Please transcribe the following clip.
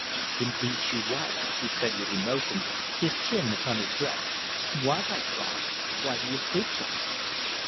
"Indeed she was," he said with emotion, his chin upon his breast. "Was!" I cried. "Why do you speak thus?"